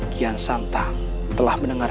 kian santang telah mendengar